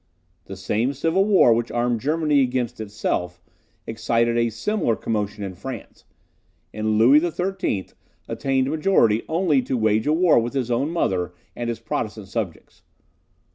The same civil war which armed Germany against itself, excited a similar commotion in France; and Louis XIII. attained majority only to wage a war with his own mother and his Protestant subjects.